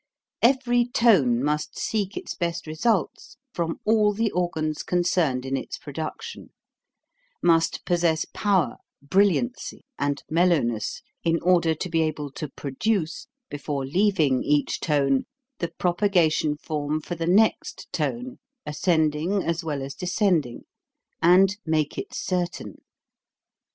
Every tone must seek its best results from all the organs concerned in its production; must possess power, brilliancy, and mellow ness in order to be able to produce, before leaving each tone, the propagation form for the next tone, ascending as well as descend ing, and make it certain.